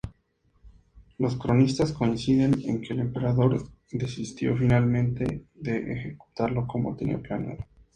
Los cronistas coinciden en que el emperador desistió finalmente de ejecutarlo como tenía planeado.